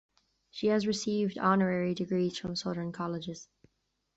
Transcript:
She has received honorary degrees from southern colleges.